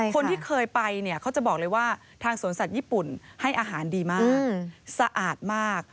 คนที่เคยไปเนี่ยเขาจะบอกเลยว่าทางสวนสัตว์ญี่ปุ่นให้อาหารดีมากสะอาดมาก